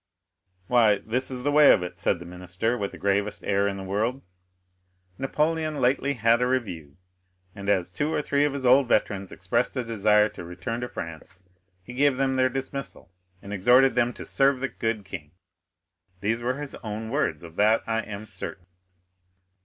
"Why, this is the way of it," said the minister, with the gravest air in the world: "Napoleon lately had a review, and as two or three of his old veterans expressed a desire to return to France, he gave them their dismissal, and exhorted them to 'serve the good king.' These were his own words, of that I am certain."